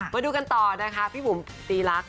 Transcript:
มาดูกันต่อนะคะพี่บุ๋มตีรัก